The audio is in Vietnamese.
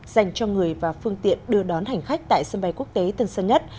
dành cho người và phương tiện đưa đón hành khách tại sân bay quốc tế tân sơn nhất